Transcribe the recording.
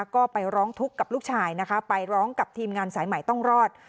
ก็ไปร้องทุกข์กับลูกชายนะคะไปร้องกับทีมงานสายใหม่ต้องรอด